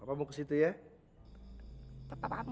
papa mau ke situ ya